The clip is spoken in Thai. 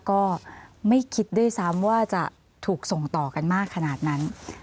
ก็ไม่คิดด้วยซ้ำว่าจะถูกส่งต่อกันมากขนาดนั้น